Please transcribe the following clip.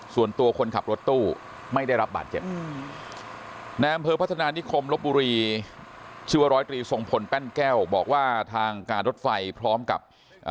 ส่วนตัวคนขับรถตู้ไม่ได้รับบาดเจ็บในอำเภอพัฒนานิคมลบบุรีชื่อว่าร้อยตรีทรงพลแป้นแก้วบอกว่าทางการรถไฟพร้อมกับ